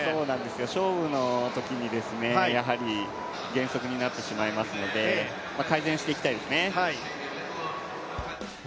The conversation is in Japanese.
勝負のときに減速になってしまいますので、改善していきたいですね。